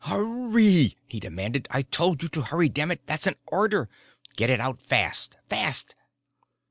"Hurry," he demanded. "I told you to hurry, dammit! That's an order, too. Get it out fast. Fast!"